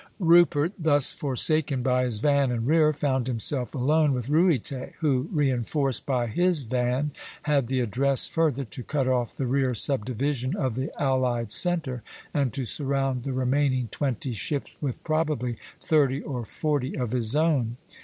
Rupert, thus forsaken by his van and rear, found himself alone with Ruyter (B'); who, reinforced by his van, had the address further to cut off the rear subdivision of the allied centre, and to surround the remaining twenty ships with probably thirty or forty of his own (C').